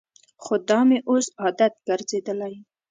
خو دا مې اوس عادت ګرځېدلی.